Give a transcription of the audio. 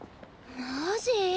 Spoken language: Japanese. マジ！？